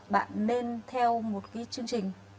bạn nên theo một chương trình